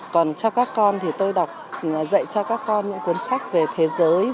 còn cho các con thì tôi đọc dạy cho các con những cuốn sách về thế giới